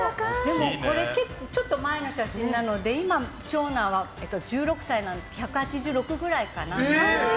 これ、ちょっと前の写真なので今、長男は１６歳なんですけど１８６ぐらいかな。